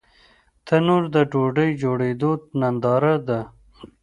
تنور د ډوډۍ جوړېدو ننداره ده